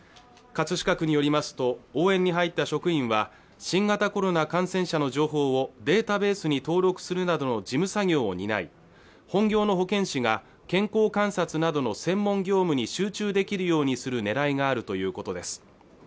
葛飾区によりますと応援に入った職員は新型コロナ感染者の情報をデータベースに登録するなどの事務作業を担い本業の保健師が健康観察などの専門業務に集中できるようにするねらいがあるということです